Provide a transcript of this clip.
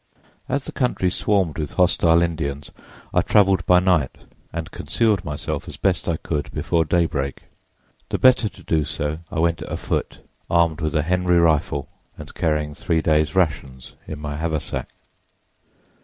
As the country swarmed with hostile Indians, I traveled by night and concealed myself as best I could before daybreak. The better to do so, I went afoot, armed with a Henry rifle and carrying three days' rations in my haversack.